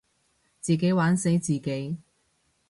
自己玩死自己